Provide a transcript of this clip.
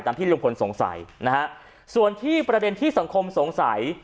ที่ลุงพลสงสัยนะฮะส่วนที่ประเด็นที่สังคมสงสัย